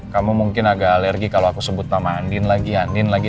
kamu mungkin agak alergi kalau aku sebut nama andien lagi andien lagi